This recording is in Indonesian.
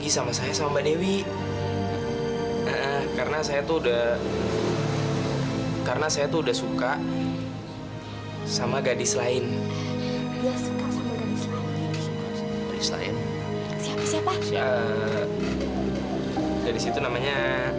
sampai jumpa di video selanjutnya